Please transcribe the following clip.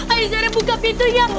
aizara buka pintunya